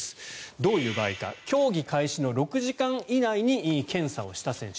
どういう場合か競技開始の６時間以内に検査をした選手。